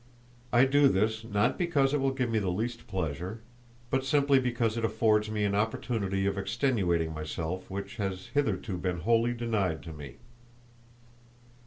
I do this, not because it will give me the least pleasure, but simply because it affords me an opportunity of extenuating myself, which has hitherto been wholly denied to me.